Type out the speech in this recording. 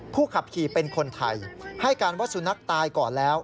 ขับขี่เป็นคนไทยให้การว่าสุนัขตายก่อนแล้ว